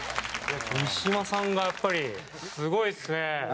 三島さんがやっぱりすごいっすね。